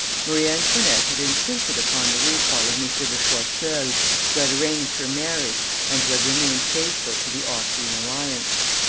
Marie Antoinette had insisted upon the recall of M. de Choiseul, who had arranged her marriage and who had remained faithful to the Austrian alliance.